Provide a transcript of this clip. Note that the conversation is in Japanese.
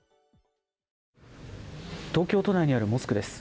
東京都内にあるモスクです。